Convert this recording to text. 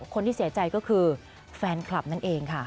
คนที่เสียใจก็คือแฟนคลับนั่นเองค่ะ